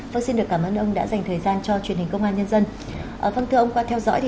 vâng thưa ông qua theo dõi